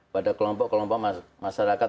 pada kelompok kelompok masyarakat